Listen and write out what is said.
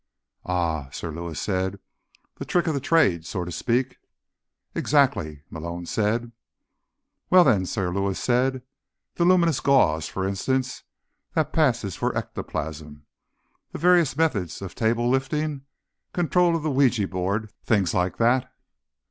"Ah," Sir Lewis said. "The tricks of the trade, so to speak?" "Exactly," Malone said. "Well, then," Sir Lewis said. "The luminous gauze, for instance, that passes for ectoplasm; the various methods of table lifting; control of the Ouija board—things like that?"